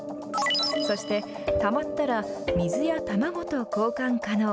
そして、たまったら水や卵と交換可能。